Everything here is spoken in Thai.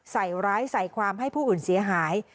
ใส่ร้ายใส่ความให้ผู้อื่นเสียหาย